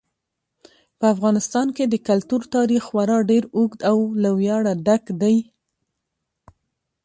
په افغانستان کې د کلتور تاریخ خورا ډېر اوږد او له ویاړه ډک دی.